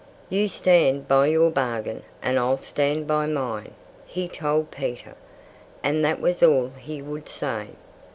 "You stand by your bargain, and I'll stand by mine," he told Peter. And that was all he would say.